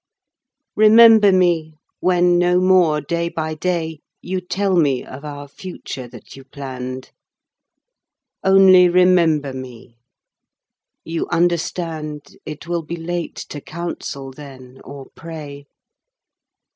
Remember me when no more, day by day, You tell me of our future that you planned: Only remember me; you understand It will be late to counsel then or pray.